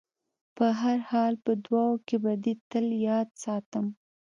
په هر حال په دعاوو کې به دې تل یاد ساتم.